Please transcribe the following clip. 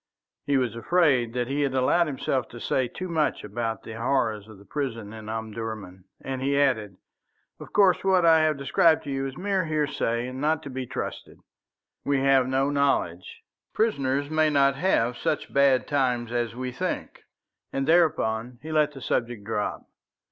He was afraid that he had allowed himself to say too much about the horrors of the prison in Omdurman, and he added: "Of course, what I have described to you is mere hearsay and not to be trusted. We have no knowledge. Prisoners may not have such bad times as we think;" and thereupon he let the subject drop.